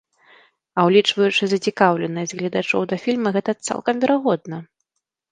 А ўлічваючы зацікаўленасць гледачоў да фільма, гэта цалкам верагодна.